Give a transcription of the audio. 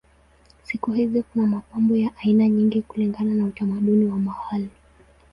Siku hizi kuna mapambo ya aina nyingi kulingana na utamaduni wa mahali.